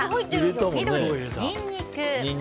緑、ニンニク。